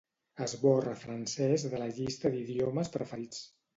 Esborra francès de la llista d'idiomes preferits.